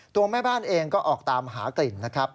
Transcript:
ตัวแม่บ้านเองก็ออกตามหากลิ่นนะครับ